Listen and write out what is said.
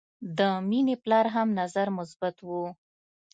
د مینې پلار هم نظر مثبت و